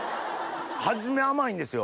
初め甘いんですよ。